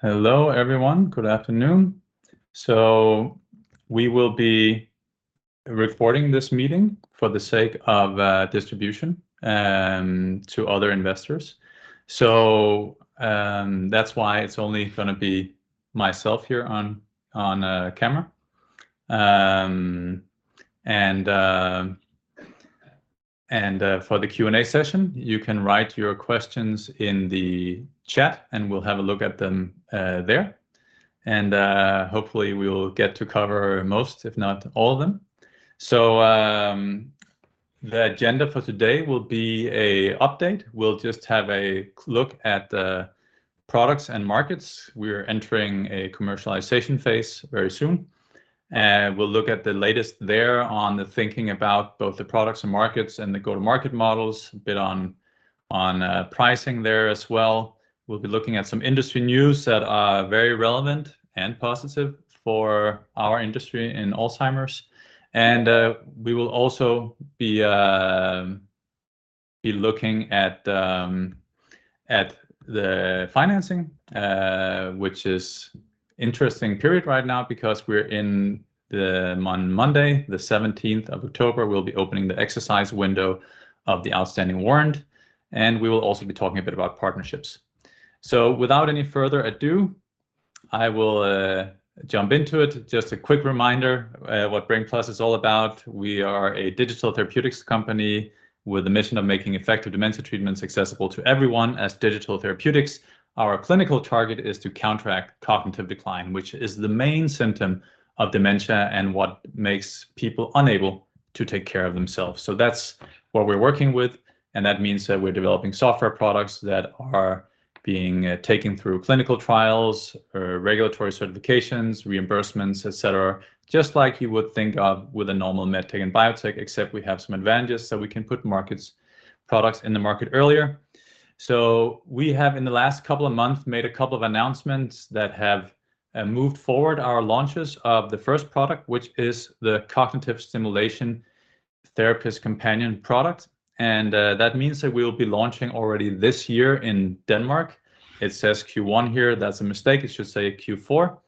Hello everyone. Good afternoon. We will be recording this meeting for the sake of distribution to other investors. That's why it's only gonna be myself here on camera. For the Q&A session, you can write your questions in the chat, and we'll have a look at them there. Hopefully we will get to cover most, if not all of them. The agenda for today will be an update. We'll just have a look at the products and markets. We're entering a commercialization phase very soon, and we'll look at the latest there on the thinking about both the products and markets and the go-to-market models, a bit on pricing there as well. We'll be looking at some industry news that are very relevant and positive for our industry in Alzheimer's. We will also be looking at the financing, which is interesting period right now because we're in the. On Monday the 17th of October, we'll be opening the exercise window of the outstanding warrant, and we will also be talking a bit about partnerships. Without any further ado, I will jump into it. Just a quick reminder what Brain+ is all about. We are a digital therapeutics company with a mission of making effective dementia treatments accessible to everyone as digital therapeutics. Our clinical target is to counteract cognitive decline, which is the main symptom of dementia and what makes people unable to take care of themselves. That's what we're working with, and that means that we're developing software products that are being taken through clinical trials or regulatory certifications, reimbursements, et cetera, just like you would think of with a normal med tech and biotech, except we have some advantages that we can put products in the market earlier. We have, in the last couple of months, made a couple of announcements that have moved forward our launches of the first product, which is the CST-Therapist Companion. That means that we'll be launching already this year in Denmark. It says Q1 here. That's a mistake. It should say Q4.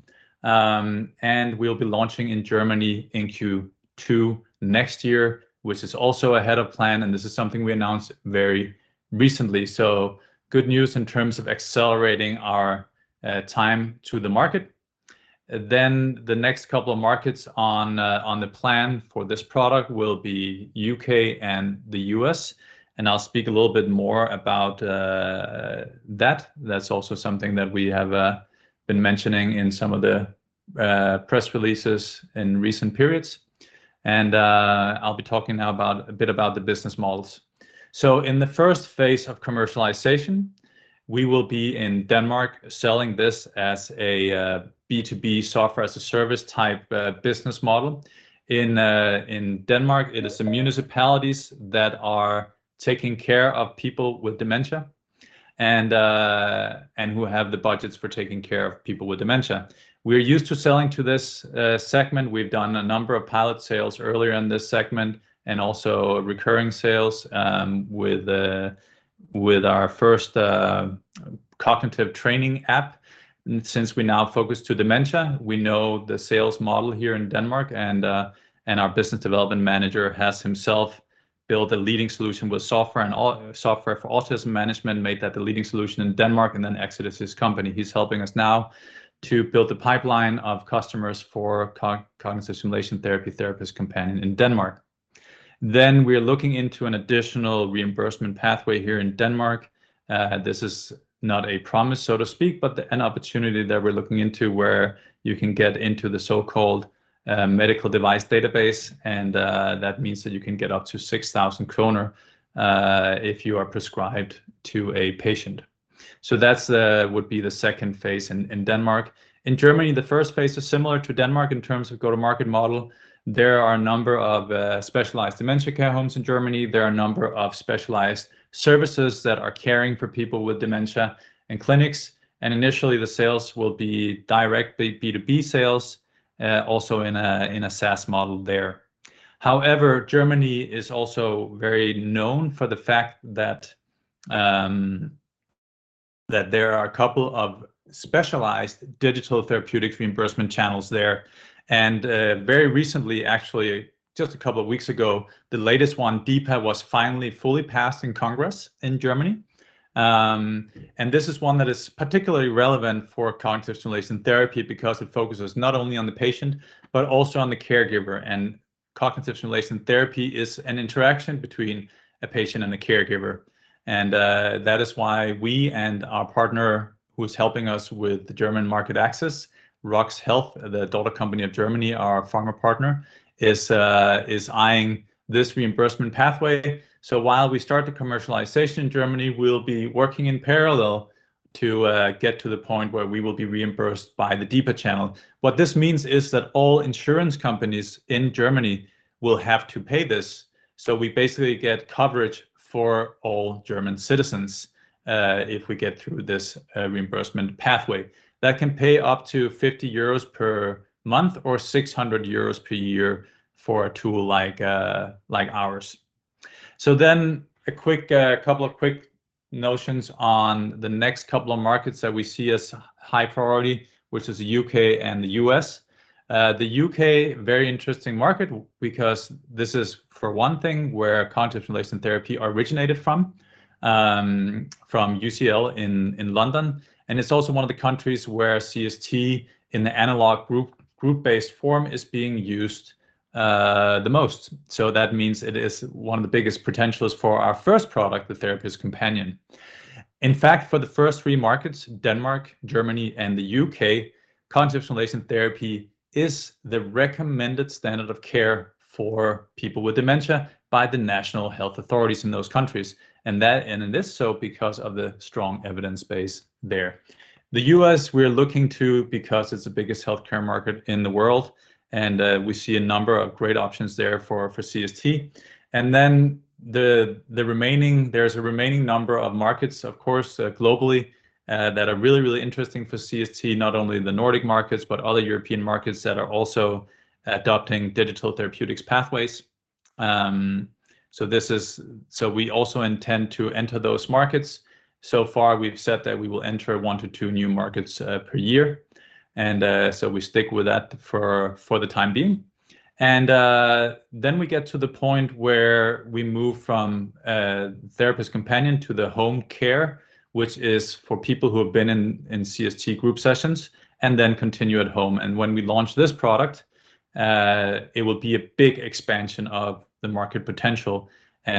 We'll be launching in Germany in Q2 next year, which is also ahead of plan, and this is something we announced very recently. Good news in terms of accelerating our time to the market. The next couple of markets on the plan for this product will be U.K. and the U.S., and I'll speak a little bit more about that. That's also something that we have been mentioning in some of the press releases in recent periods. I'll be talking now a bit about the business models. In the first phase of commercialization, we will be in Denmark selling this as a B2B software as a service type business model. In Denmark, it is some municipalities that are taking care of people with dementia and who have the budgets for taking care of people with dementia. We're used to selling to this segment. We've done a number of pilot sales earlier in this segment and also recurring sales with our first cognitive training app. Since we now focus to dementia, we know the sales model here in Denmark and our business development manager has himself built a leading solution with software for autism management, made that the leading solution in Denmark and then exited his company. He's helping us now to build the pipeline of customers for cognitive stimulation therapy therapist companion in Denmark. We're looking into an additional reimbursement pathway here in Denmark. This is not a promise, so to speak, but an opportunity that we're looking into where you can get into the so-called medical device database, and that means that you can get up to 6,000 kroner if it is prescribed to a patient. That would be the second phase in Denmark. In Germany, the first phase is similar to Denmark in terms of go-to-market model. There are a number of specialized dementia care homes in Germany. There are a number of specialized services that are caring for people with dementia in clinics, and initially the sales will be direct B2B sales also in a SaaS model there. However, Germany is also very known for the fact that that there are a couple of specialized digital therapeutic reimbursement channels there, and very recently, actually just a couple of weeks ago, the latest one, DiPA, was finally fully passed in Congress in Germany. And this is one that is particularly relevant for cognitive stimulation therapy because it focuses not only on the patient but also on the caregiver. Cognitive Stimulation Therapy is an interaction between a patient and a caregiver. That is why we and our partner who's helping us with the German market access, ROX Health, the daughter company of Roche, our pharma partner, is eyeing this reimbursement pathway. While we start the commercialization in Germany, we'll be working in parallel to get to the point where we will be reimbursed by the DiPA channel. What this means is that all insurance companies in Germany will have to pay this, so we basically get coverage for all German citizens, if we get through this reimbursement pathway. That can pay up to 50 euros per month or 600 euros per year for a tool like ours. A couple of quick notions on the next couple of markets that we see as high priority, which is the U.K. and the U.S. The U.K., very interesting market because this is, for one thing, where cognitive stimulation therapy originated from UCL in London, and it's also one of the countries where CST in the analog group-based form is being used the most. That means it is one of the biggest potentials for our first product, the Therapist Companion. In fact, for the first three markets, Denmark, Germany and the U.K., cognitive stimulation therapy is the recommended standard of care for people with dementia by the national health authorities in those countries. It is so because of the strong evidence base there. The U.S. we're looking to because it's the biggest healthcare market in the world and we see a number of great options there for CST. The remaining, there's a remaining number of markets, of course, globally, that are really interesting for CST, not only in the Nordic markets, but other European markets that are also adopting digital therapeutics pathways. We also intend to enter those markets. So far we've said that we will enter one to two new markets per year and so we stick with that for the time being. Then we get to the point where we move from CST-Therapist Companion to the home care, which is for people who have been in CST group sessions and then continue at home. When we launch this product, it will be a big expansion of the market potential.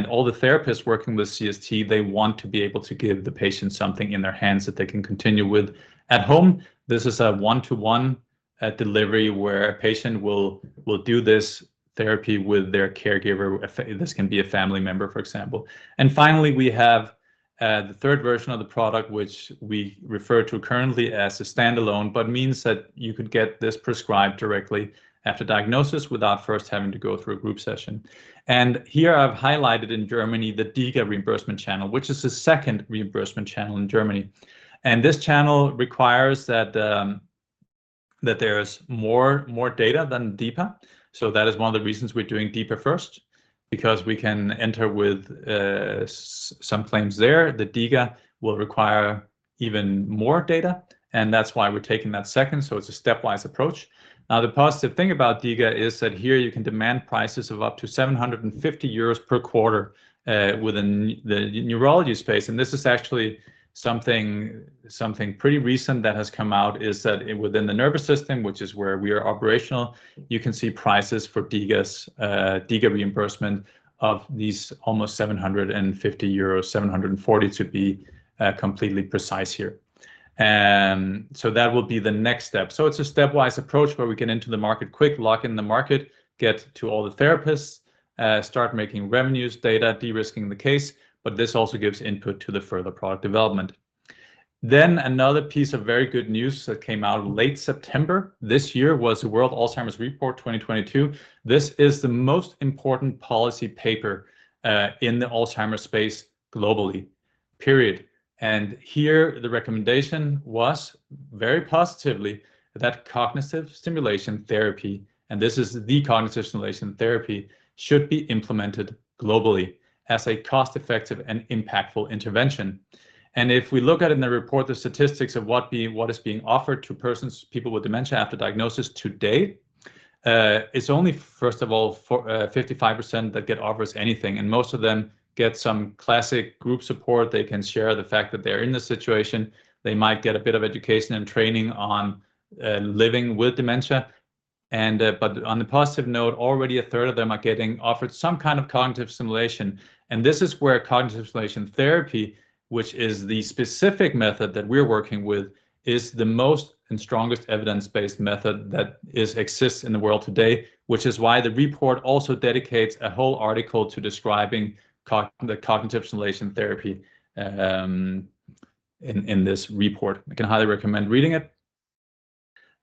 All the therapists working with CST, they want to be able to give the patient something in their hands that they can continue with at home. This is a one-to-one delivery where a patient will do this therapy with their caregiver. This can be a family member, for example. Finally, we have the third version of the product, which we refer to currently as a standalone, but means that you could get this prescribed directly after diagnosis without first having to go through a group session. I've highlighted in Germany the DiGA reimbursement channel, which is the second reimbursement channel in Germany. This channel requires that there's more data than DiPA. That is one of the reasons we're doing DiPA first, because we can enter with some claims there. The DiGA will require even more data, and that's why we're taking that second, so it's a stepwise approach. Now, the positive thing about DiGA is that here you can demand prices of up to 750 euros per quarter within the neurology space, and this is actually something pretty recent that has come out, is that within the nervous system, which is where we are operational, you can see prices for DiGAs, DiGA reimbursement of these almost 750 euros, 740 to be completely precise here. That will be the next step. It's a stepwise approach where we get into the market quick, lock in the market, get to all the therapists, start making revenues, data, de-risking the case, but this also gives input to the further product development. Another piece of very good news that came out late September this year was the World Alzheimer Report 2022. This is the most important policy paper in the Alzheimer's space globally, period. Here the recommendation was very positively that Cognitive Stimulation Therapy, and this is the Cognitive Stimulation Therapy, should be implemented globally as a cost-effective and impactful intervention. If we look at in the report the statistics of what is being offered to persons, people with dementia after diagnosis to date, it's only first of all, for 55% that get offered anything, and most of them get some classic group support. They can share the fact that they're in this situation. They might get a bit of education and training on living with dementia and but on the positive note, already a third of them are getting offered some kind of cognitive stimulation. This is where Cognitive Stimulation Therapy, which is the specific method that we're working with, is the most and strongest evidence-based method that exists in the world today, which is why the report also dedicates a whole article to describing the Cognitive Stimulation Therapy in this report. I can highly recommend reading it.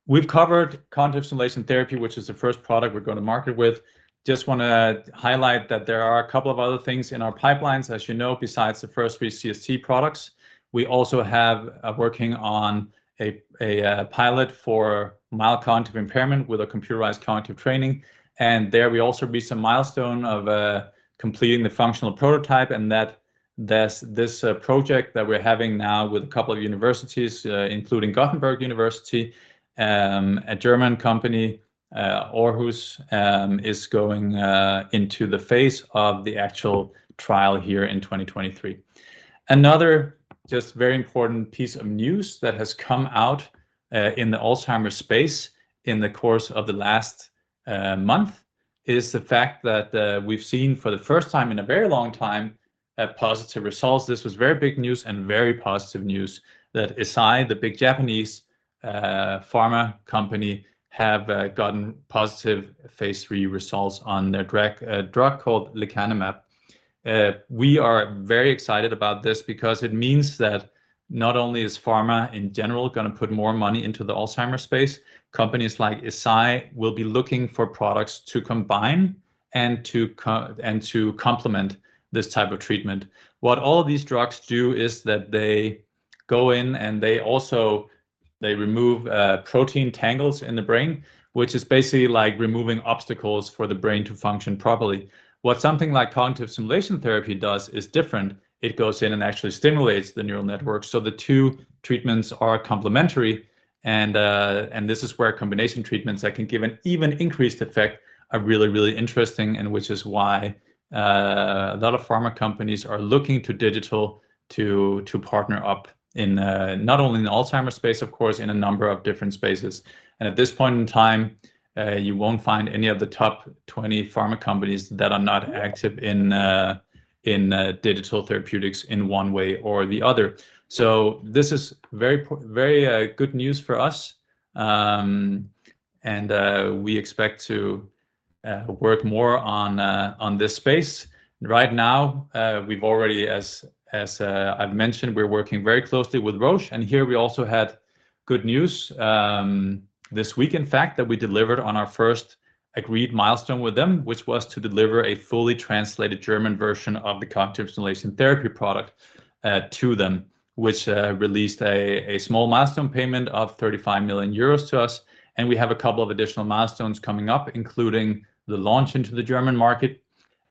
We've covered Cognitive Stimulation Therapy, which is the first product we're going to market with. Just wanna highlight that there are a couple of other things in our pipelines. As you know, besides the first three CST products, we are working on a pilot for mild cognitive impairment with a computerized cognitive training. There will also be some milestone of completing the functional prototype and that this project that we're having now with a couple of universities, including the University of Gothenburg and Aarhus University, is going into the phase of the actual trial here in 2023. Another just very important piece of news that has come out in the Alzheimer's space in the course of the last month is the fact that we've seen for the first time in a very long time positive results. This was very big news and very positive news that Eisai, the big Japanese pharma company, have gotten positive phase III results on their drug called lecanemab. We are very excited about this because it means that not only is pharma in general gonna put more money into the Alzheimer's space, companies like Eisai will be looking for products to combine and to complement this type of treatment. What all these drugs do is that they remove protein tangles in the brain which is basically like removing obstacles for the brain to function properly. What something like Cognitive Stimulation Therapy does is different. It goes in and actually stimulates the neural network. The two treatments are complementary and this is where combination treatments that can give an even increased effect are really, really interesting and which is why a lot of pharma companies are looking to digital to partner up in not only in the Alzheimer's space of course, in a number of different spaces. At this point in time, you won't find any of the top 20 pharma companies that are not active in digital therapeutics in one way or the other. This is very good news for us, and we expect to work more on this space. Right now, we've already, as I've mentioned, we're working very closely with Roche, and here we also had good news this week in fact, that we delivered on our first agreed milestone with them, which was to deliver a fully translated German version of the cognitive stimulation therapy product to them, which released a small milestone payment of 35 million euros to us and we have a couple of additional milestones coming up, including the launch into the German market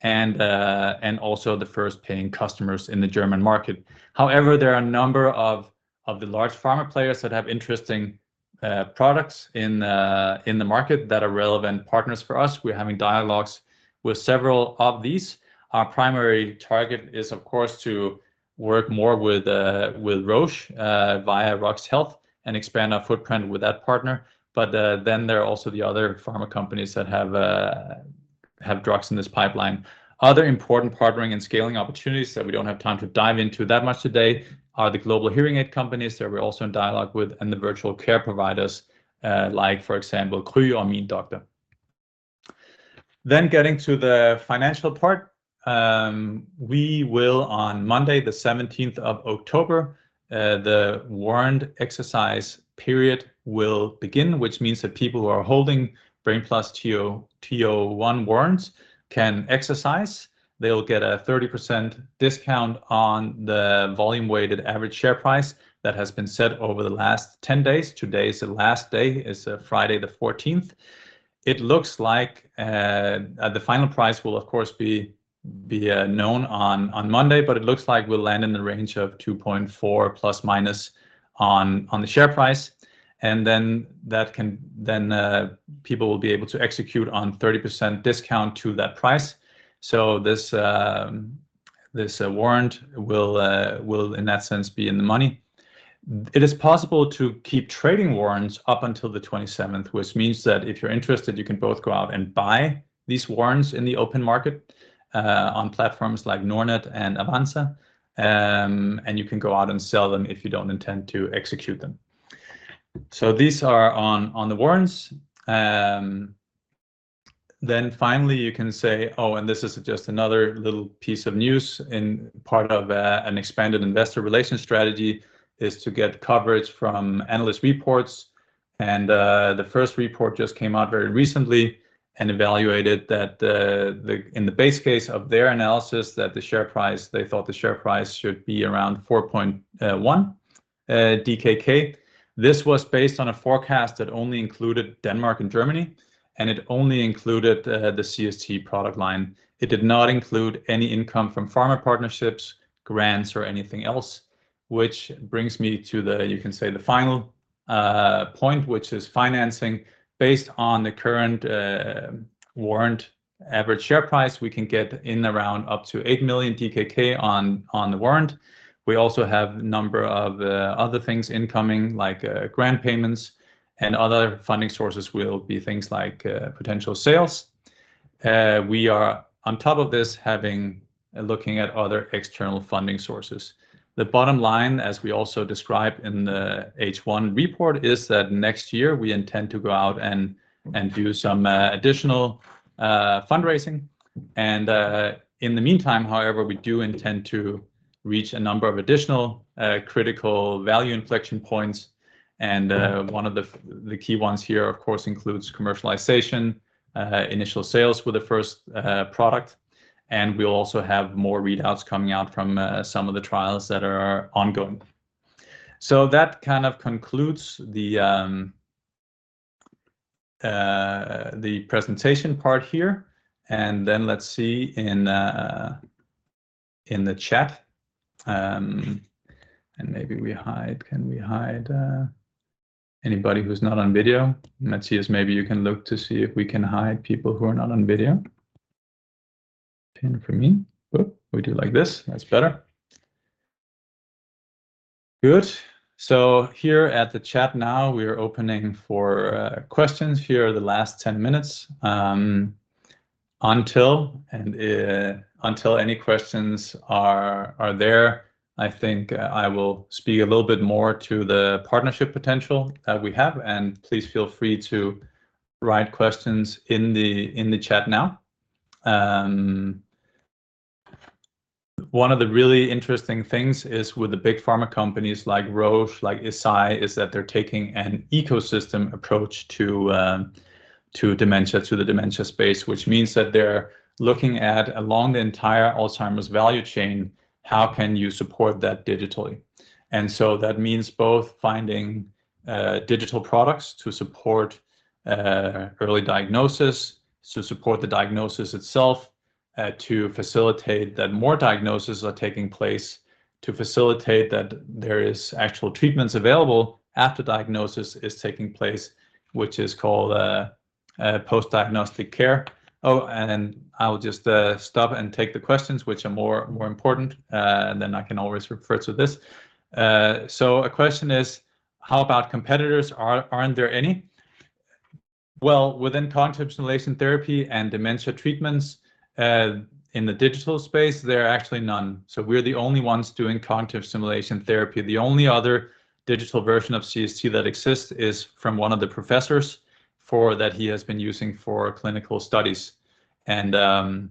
and also the first paying customers in the German market. However, there are a number of the large pharma players that have interesting products in the market that are relevant partners for us. We're having dialogues with several of these. Our primary target is of course to work more with Roche via RoX Health and expand our footprint with that partner. There are also the other pharma companies that have drugs in this pipeline. Other important partnering and scaling opportunities that we don't have time to dive into that much today are the global hearing aid companies that we're also in dialogue with and the virtual care providers like for example, Kry or Min Doktor. Getting to the financial part, we will on Monday the 17th of October, the warrant exercise period will begin, which means that people who are holding Brain+ TO 1 warrants can exercise. They'll get a 30% discount on the volume weighted average share price that has been set over the last 10 days. Today is the last day, Friday the 14th. It looks like the final price will of course be known on Monday, but it looks like we'll land in the range of 2.4 ± DKK on the share price and then people will be able to execute on 30% discount to that price. This warrant will in that sense be in the money. It is possible to keep trading warrants up until the 27th, which means that if you're interested, you can both go out and buy these warrants in the open market, on platforms like Nordnet and Avanza, and you can go out and sell them if you don't intend to execute them. These are on the warrants. This is just another little piece of news as part of an expanded investor relations strategy to get coverage from analyst reports, and the first report just came out very recently and evaluated that in the base case of their analysis, they thought the share price should be around 4.1 DKK. This was based on a forecast that only included Denmark and Germany and it only included the CST product line. It did not include any income from pharma partnerships, grants or anything else. Which brings me to the, you can say the final point, which is financing based on the current warrant average share price we can get in the round up to 8 million DKK on the warrant. We also have a number of other things incoming like grant payments and other funding sources will be things like potential sales. We are on top of this having looking at other external funding sources. The bottom line as we also described in the H1 report is that next year we intend to go out and do some additional fundraising. In the meantime however, we do intend to reach a number of additional, critical value inflection points and, one of the key ones here of course includes commercialization, initial sales with the first, product, and we'll also have more readouts coming out from, some of the trials that are ongoing. That kind of concludes the presentation part here and then let's see in the chat, and maybe we hide. Can we hide anybody who's not on video? Matias, maybe you can look to see if we can hide people who are not on video. Pin for me. Oh, we do like this. That's better. Good. Here at the chat now we are opening for questions here the last 10 minutes, until any questions are there, I think. I will speak a little bit more to the partnership potential that we have, and please feel free to write questions in the chat now. One of the really interesting things is with the big pharma companies like Roche, like Eisai, is that they're taking an ecosystem approach to the dementia space which means that they're looking along the entire Alzheimer's value chain. How can you support that digitally and so that means both finding digital products to support early diagnosis, to support the diagnosis itself to facilitate that more diagnoses are taking place to facilitate that there is actual treatments available after diagnosis is taking place which is called post-diagnostic care and I'll just stop and take the questions which are more important and then I can always refer to this. So a question is how about competitors? Aren't there any? Well within Cognitive Stimulation Therapy and dementia treatments in the digital space there are actually none. We're the only ones doing cognitive stimulation therapy. The only other digital version of CST that exists is from one of the professors for that he has been using for clinical studies, and the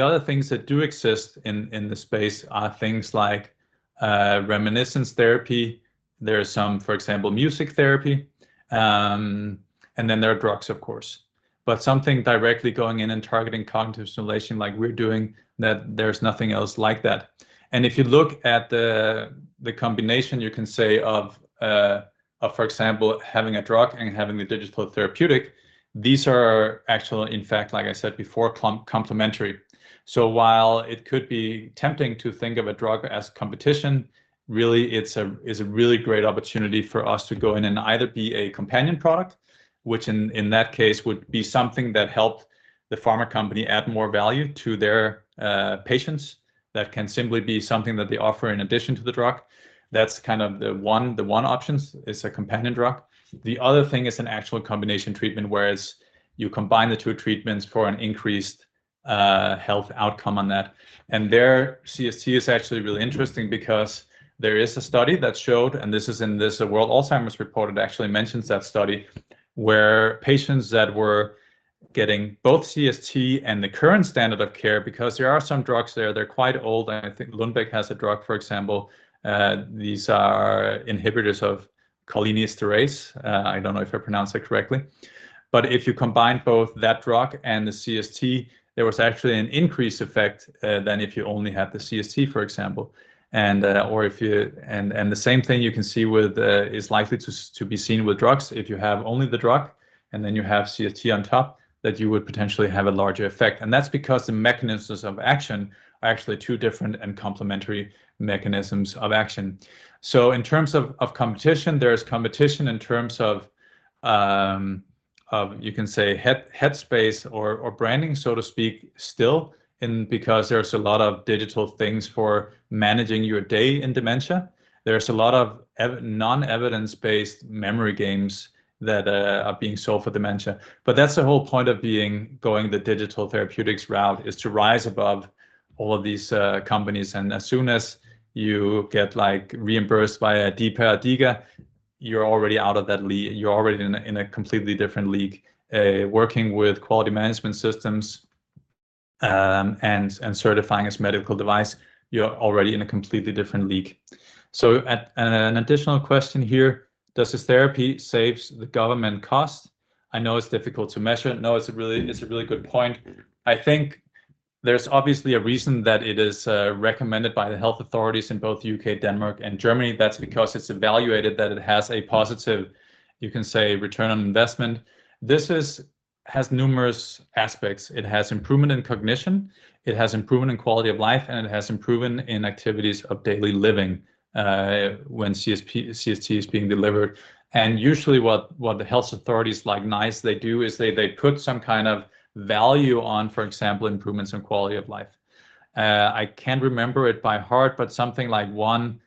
other things that do exist in the space are things like reminiscence therapy. There's some, for example, music therapy and then there are drugs of course, but something directly going in and targeting cognitive stimulation like we're doing that there's nothing else like that and if you look at the combination you can say of, for example, having a drug and having the digital therapeutic these are actually in fact like I said before complementary. While it could be tempting to think of a drug as competition, really it's a really great opportunity for us to go in and either be a companion product which in that case would be something that helped the pharma company add more value to their patients that can simply be something that they offer in addition to the drug. That's kind of the one option, a companion drug. The other thing is an actual combination treatment where you combine the two treatments for an increased health outcome on that. There CST is actually really interesting because there is a study that showed and this is in this World Alzheimer Report. It actually mentions that study where patients that were getting both CST and the current standard of care because there are some drugs there. They're quite old and I think Lundbeck has a drug for example. These are inhibitors of cholinesterase. I don't know if I pronounce it correctly, but if you combine both that drug and the CST there was actually an increased effect than if you only had the CST for example and the same thing you can see with Alzheimer's is likely to be seen with drugs if you have only the drug and then you have CST on top that you would potentially have a larger effect, and that's because the mechanisms of action are actually two different and complementary mechanisms of action. In terms of competition, there is competition in terms of you can say headspace or branding so to speak still in because there's a lot of digital things for managing your day in dementia. There's a lot of non-evidence-based memory games that are being sold for dementia, but that's the whole point of being going the digital therapeutics route is to rise above all of these companies and as soon as you get like reimbursed by a DiPA or a DiGA you're already out of that you're already in a in a completely different league working with quality management systems and certifying as medical device you're already in a completely different league. And an additional question here, does this therapy saves the government cost? I know it's difficult to measure. No, it's a really good point. I think there's obviously a reason that it is recommended by the health authorities in both U.K., Denmark and Germany. That's because it's evaluated that it has a positive you can say return on investment. This has numerous aspects. It has improvement in cognition. It has improvement in quality of life, and it has improvement in activities of daily living when CST is being delivered and usually what the health authorities like NICE they do is they put some kind of value on for example improvements in quality of life. I can't remember it by heart but something like one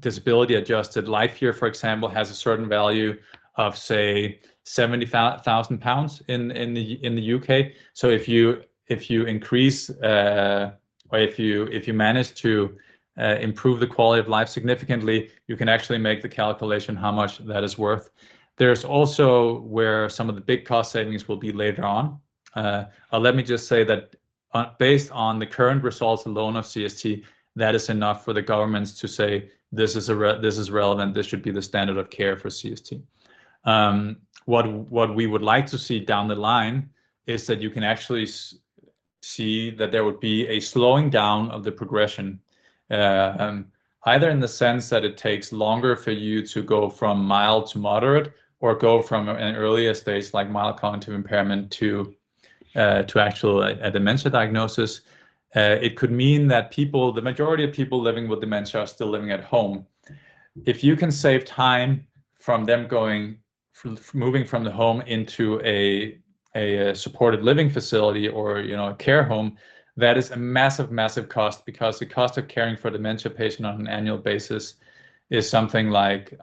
disability-adjusted life year for example has a certain value of say 70,000 pounds in the UK. If you increase or if you manage to improve the quality of life significantly you can actually make the calculation how much that is worth. There's also where some of the big cost savings will be later on. Let me just say that based on the current results alone of CST that is enough for the governments to say this is relevant. This should be the standard of care for CST. What we would like to see down the line is that you can actually see that there would be a slowing down of the progression either in the sense that it takes longer for you to go from mild to moderate or go from an earlier stage like mild cognitive impairment to actual dementia diagnosis. It could mean that the majority of people living with dementia are still living at home. If you can save time from them going from the home into a supported living facility or you know a care home that is a massive cost because the cost of caring for a dementia patient on an annual basis is something like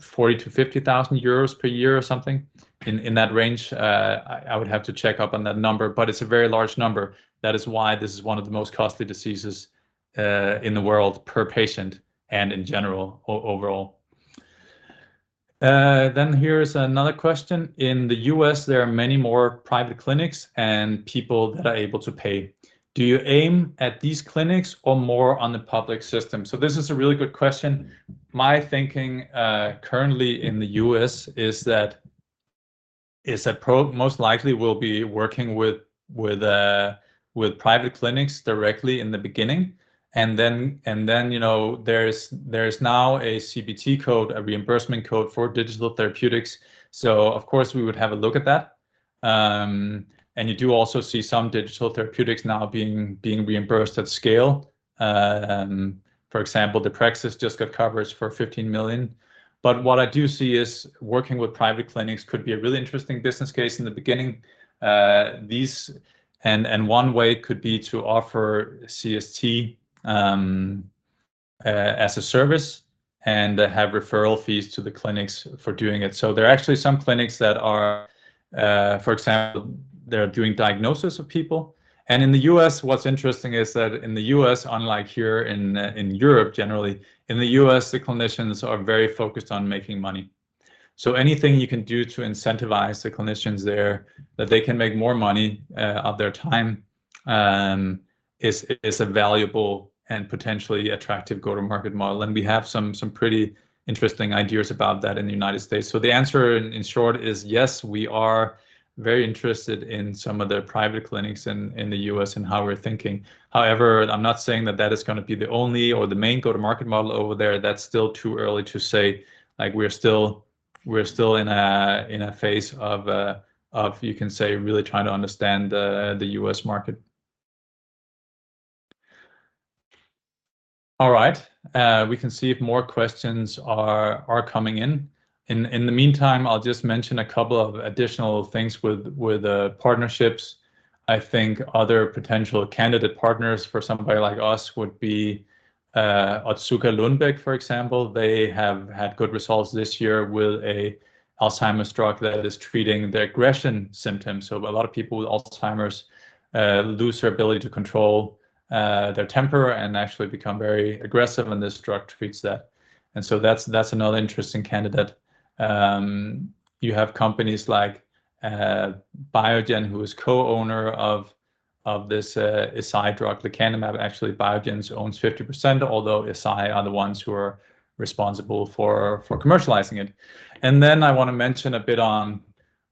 40,000 to 50,000 euros per year or something in that range. I would have to check up on that number, but it's a very large number. That is why this is one of the most costly diseases in the world per patient and in general overall. Here's another question. In the U.S. there are many more private clinics and people that are able to pay. Do you aim at these clinics or more on the public system? This is a really good question. My thinking currently in the U.S. is that most likely we'll be working with private clinics directly in the beginning and then, you know, there is now a CPT code, a reimbursement code for digital therapeutics. So of course, we would have a look at that. And you do also see some digital therapeutics now being reimbursed at scale. For example, Deprexis just got coverage for 15 million. But what I do see is working with private clinics could be a really interesting business case in the beginning. One way could be to offer CST as a service and have referral fees to the clinics for doing it. There are actually some clinics that are, for example, they're doing diagnosis of people, and in the U.S., what's interesting is that in the U.S. unlike here in Europe, generally, in the U.S., The clinicians are very focused on making money. Anything you can do to incentivize the clinicians there, that they can make more money, of their time, is a valuable and potentially attractive go-to-market model. We have some pretty interesting ideas about that in the United States. The answer in short is yes, we are very interested in some of the private clinics in the U.S. and how we're thinking. However, I'm not saying that that is gonna be the only or the main go-to-market model over there. That's still too early to say, like we're still in a phase of you can say really trying to understand the U.S. market. All right, we can see if more questions are coming in. In the meantime, I'll just mention a couple of additional things with partnerships. I think other potential candidate partners for somebody like us would be Otsuka and Lundbeck, for example. They have had good results this year with an Alzheimer's drug that is treating the aggression symptoms. A lot of people with Alzheimer's lose their ability to control their temper and actually become very aggressive, and this drug treats that. That's another interesting candidate. You have companies like Biogen, who is co-owner of this Eisai drug, lecanemab. Actually, Biogen owns 50%, although Eisai are the ones who are responsible for commercializing it. Then I wanna mention a bit on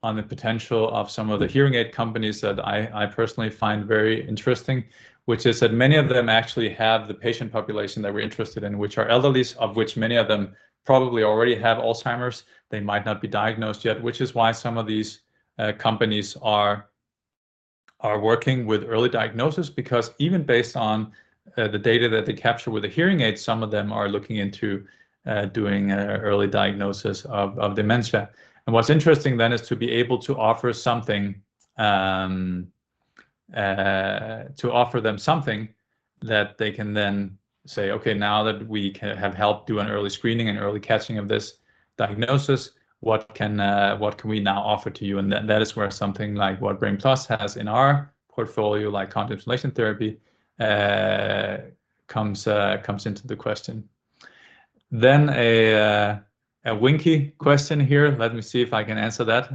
the potential of some of the hearing aid companies that I personally find very interesting, which is that many of them actually have the patient population that we're interested in, which are elderlies, of which many of them probably already have Alzheimer's. They might not be diagnosed yet, which is why some of these companies are working with early diagnosis, because even based on the data that they capture with the hearing aid, some of them are looking into doing early diagnosis of dementia. What's interesting then is to be able to offer them something that they can then say, "Okay, now that we have helped do an early screening and early catching of this diagnosis, what can we now offer to you?" That is where something like what Brain+ has in our portfolio like Cognitive Stimulation Therapy comes into the question. A tricky question here. Let me see if I can answer that.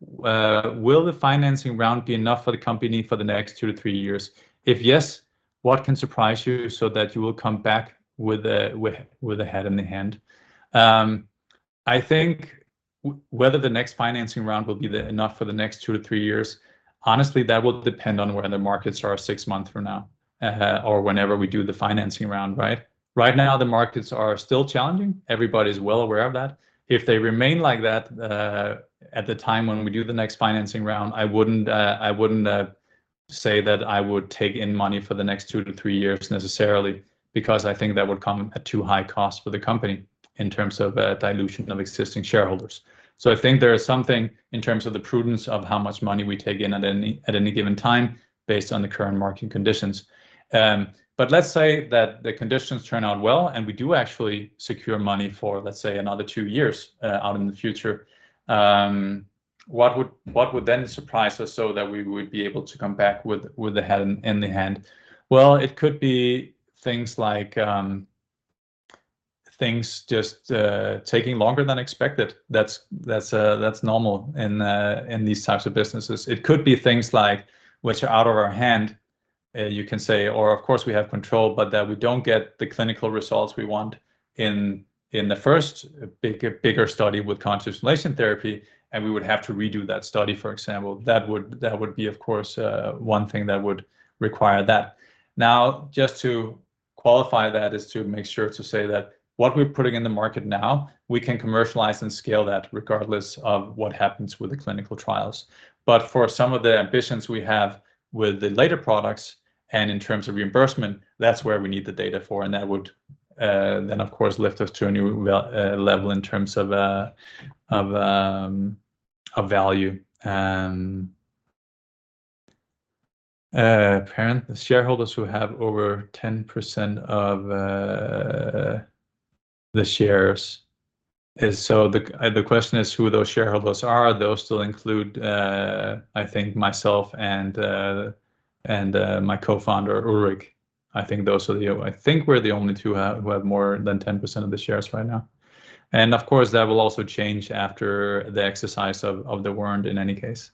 Will the financing round be enough for the company for the next two to three years? If yes, what can surprise you so that you will come back with a hat in hand? I think whether the next financing round will be enough for the next two to three years, honestly, that will depend on where the markets are six months from now, or whenever we do the financing round, right? Right now, the markets are still challenging. Everybody is well aware of that. If they remain like that, at the time when we do the next financing round, I wouldn't say that I would take in money for the next two to three years necessarily, because I think that would come at too high cost for the company in terms of dilution of existing shareholders. I think there is something in terms of the prudence of how much money we take in at any given time based on the current market conditions. Let's say that the conditions turn out well, and we do actually secure money for, let's say, another two years out in the future. What would then surprise us so that we would be able to come back with the hat in hand? Well, it could be things like just taking longer than expected. That's normal in these types of businesses. It could be things like which are out of our hand, you can say, or of course we have control, but that we don't get the clinical results we want in the first bigger study with Cognitive Stimulation Therapy, and we would have to redo that study, for example. That would be, of course, one thing that would require that. Now, just to qualify that is to make sure to say that what we're putting in the market now, we can commercialize and scale that regardless of what happens with the clinical trials. But for some of the ambitions we have with the later products and in terms of reimbursement, that's where we need the data for, and that would then of course lift us to a new level in terms of of value. The shareholders who have over 10% of the shares. The question is who those shareholders are. Those still include, I think myself and my co-founder, Ulrik. I think those are the only. I think we're the only two who have more than 10% of the shares right now. Of course, that will also change after the exercise of the warrant in any case.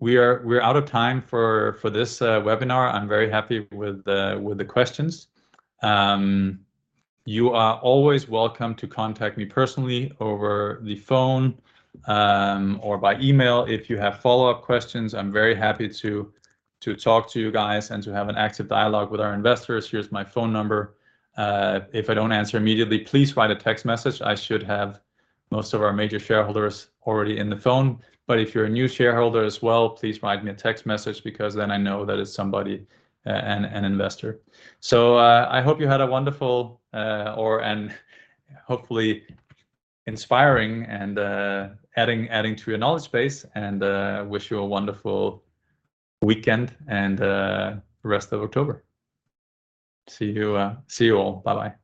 We're out of time for this webinar. I'm very happy with the questions. You are always welcome to contact me personally over the phone or by email. If you have follow-up questions, I'm very happy to talk to you guys and to have an active dialogue with our investors. Here's my phone number. If I don't answer immediately, please write a text message. I should have most of our major shareholders already in the phone. If you're a new shareholder as well, please write me a text message because then I know that it's somebody, an investor. I hope you had a wonderful and hopefully inspiring and adding to your knowledge base and wish you a wonderful weekend and rest of October. See you, see you all. Bye-bye.